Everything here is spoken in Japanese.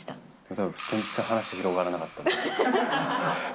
だから全然話広がらなかった。